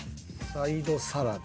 サイドサラダ。